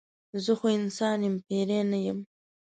زه خو انسان یم پیری نه یم.